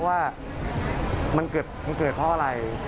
ว่ามันเกิดเพราะอะไร